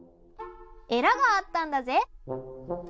えらがあったんだぜ。